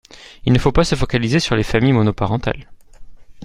Il ne faut pas se focaliser sur les familles monoparentales.